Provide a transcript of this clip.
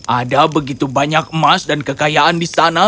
ada begitu banyak emas dan kekayaan di sana